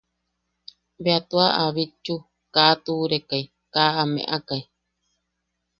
Bea tua a bitchu, kaa a tuʼurekai, kaa a meʼakai.